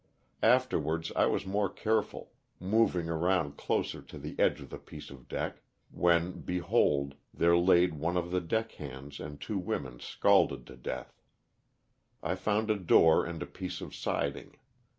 Afterwards I was more care ful, moving around closer to the edge of the piece of deck, when, behold, there laid one of the deck hands and two women scalded to death. I found a door and a piece of siding.